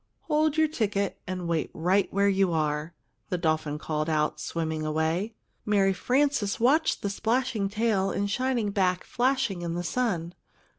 "Hold your ticket and wait right where you are!" the dolphin called out, swimming away. Mary Frances watched the splashing tail and shining back flashing in the sun.